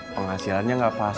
mau ngecek ke inggris